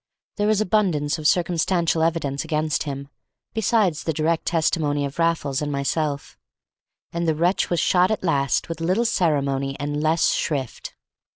There was abundance of circumstantial evidence against him, besides the direct testimony of Raffles and myself, and the wretch was shot at last with little ceremony and less shrift.